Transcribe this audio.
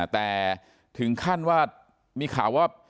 แต่ถึงขั้นว่ามีข่าวว่า